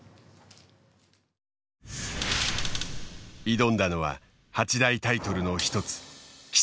挑んだのは八大タイトルの一つ棋聖。